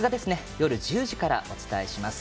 夜１０時からお伝えします。